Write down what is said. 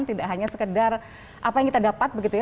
tidak hanya sekedar apa yang kita dapat begitu ya